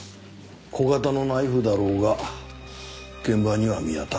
小型のナイフだろうが現場には見当たらないな。